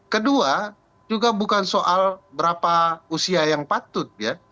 kedua juga bukan soal berapa usia yang patut ya